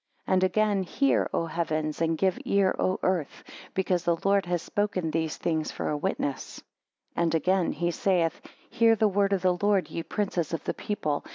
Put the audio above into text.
4 And again, Hear, O Heavens, and give ear O Earth! Because the Lord has spoken these things for a witness. 5 And again, he saith, Hear the word of the Lord, ye princes of the people.